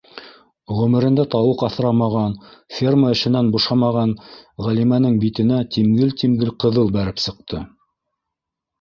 Ғүмерендә тауыҡ аҫрамаған, ферма эшенән бушамаған Ғәлимәнең битенә тимгел-тимгел ҡыҙыл бәреп сыҡты: